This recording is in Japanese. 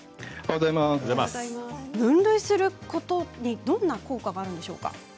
分類することにどんな効果があるんでしょうか。